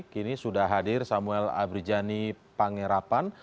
kini sudah hadir samuel abrijani pangerapan